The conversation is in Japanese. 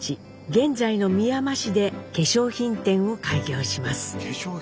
現在のみやま市で化粧品店を開業します。